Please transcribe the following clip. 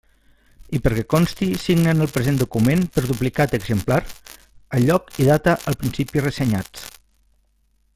I perquè consti signen el present document per duplicat exemplar, al lloc i data al principi ressenyats.